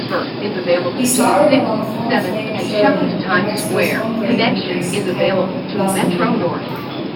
He starred along former flame Sherlyn in Mexico's own version of Grease entitled "Vaselina".